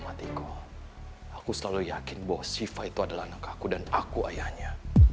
hatiku aku selalu yakin bahwa siva itu adalah anak aku dan aku ayahnya